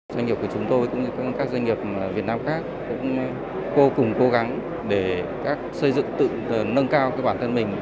doanh nghiệp của chúng tôi cũng như các doanh nghiệp việt nam khác cũng cố gắng để các xây dựng tự nâng cao bản thân mình